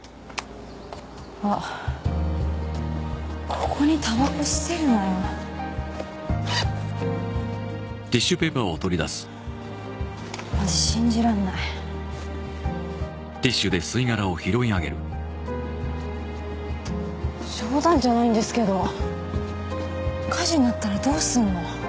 ここにタバコ捨てるなよマジ信じらんない冗談じゃないんですけど火事になったらどうすんの？